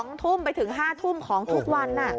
๑๙๐๐นไปถึง๑๙๐๐นของทุกวันน่ะ